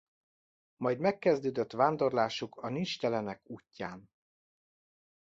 Majd megkezdődött vándorlásuk a nincstelenek útján.